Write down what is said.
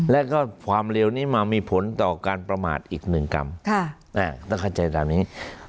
แล้วก็ความเร็วนี้มามีผลต่อการประมาทอีกหนึ่งกรรมต้องเข้าใจตามนี้